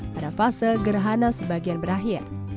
pada fase gerhana sebagian berakhir